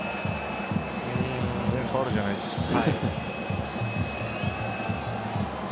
全然ファウルじゃないですよね。